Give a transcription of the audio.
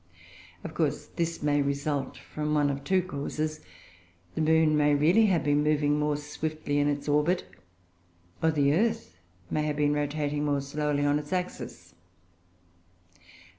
Of course this may result from one of two causes: the moon may really have been moving more swiftly in its orbit; or the earth may have been rotating more slowly on its axis.